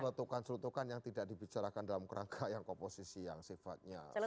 celutukan celutukan yang tidak dibicarakan dalam rangka yang komposisi yang sifatnya serius